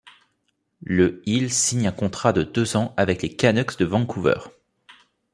Le il signe un contrat de deux ans avec les Canucks de Vancouver.